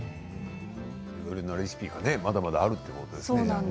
いろいろなレシピがまだまだあるんですね。